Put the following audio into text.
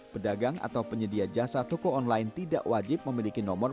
pedagang atau penyedia jasa toko online tidak wajib memiliki nomor